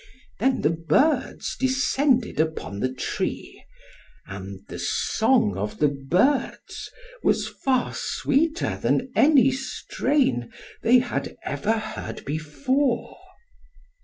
Then the birds descended upon the tree. And the song of the birds was far sweeter than any strain they had ever heard before.